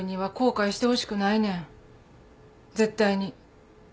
絶対に。